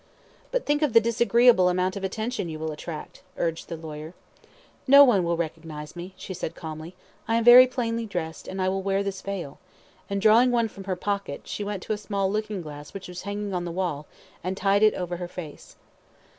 "But think of the disagreeable amount of attention you will attract," urged the lawyer. "No one will recognise me," she said calmly, "I am very plainly dressed, and I will wear this veil;" and, drawing one from her pocket, she went to a small looking glass which was hanging on the wall, and tied it over her face.